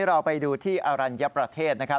เราไปดูที่อรัญญประเทศนะครับ